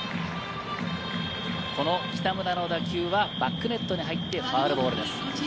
北村の打球はバックネットに入ってファウルボールです。